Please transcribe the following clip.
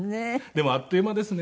でもあっという間ですね。